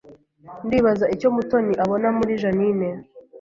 Ndibaza icyo Mutoni abona muri Jeaninne